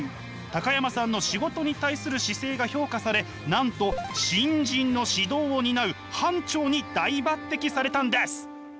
高山さんの仕事に対する姿勢が評価されなんと新人の指導を担う班長に大抜てきされたんです。